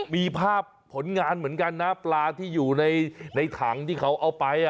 มีภาพผลงานเหมือนกันนะปลาที่อยู่ในถังที่เขาเอาไป